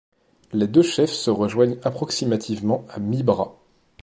Les deux chefs se rejoignent approximativement à mi-bras.